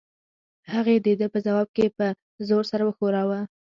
هغې د ده په ځواب کې په زور سر وښوراوه.